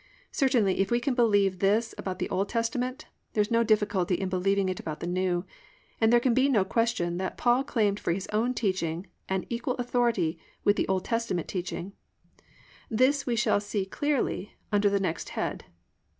Certainly if we can believe this about the Old Testament there is no difficulty in believing it about the New, and there can be no question that Paul claimed for his own teaching an equal authority with the O. T. teaching. This we shall see clearly under the next head.